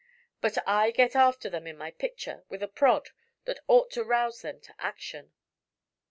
But I get after them in my picture with a prod that ought to rouse them to action.